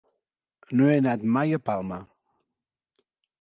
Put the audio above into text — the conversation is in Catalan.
No he anat mai a Palma.